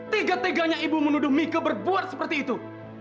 tiga tiganya ibu menuduh mika berbuat seperti itu